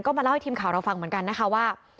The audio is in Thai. ก็มาเล่าให้ทีมข่าวเราฟังเหมือนกันนะคะว่า